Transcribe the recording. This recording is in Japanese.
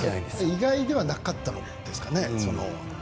意外ではなかったんじゃないですかね。